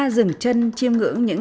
dừng chân chiêm ngưỡng những